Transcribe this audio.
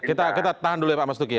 pertama kita tahan dulu ya pak mas duki